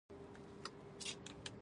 هګۍ ډېره پروټین لري.